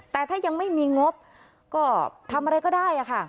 แต่ถ้ายังไม่มีงบก็ทำอะไรก็ได้ค่ะ